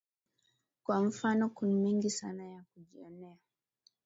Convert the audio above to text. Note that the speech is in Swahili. kwa mfano Kun mengi sana ya kujionea